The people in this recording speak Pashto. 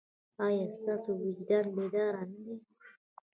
ایا ستاسو وجدان بیدار نه دی؟